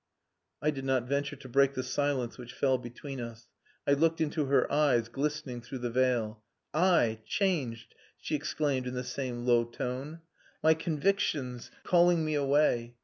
I did not venture to break the silence which fell between us. I looked into her eyes, glistening through the veil. "I! Changed!" she exclaimed in the same low tone. "My convictions calling me away!